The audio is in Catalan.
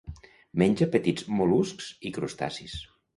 Menja petits mol·luscs i crustacis.